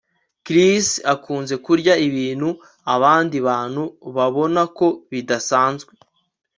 Chris akunze kurya ibintu abandi bantu babona ko bidasanzwe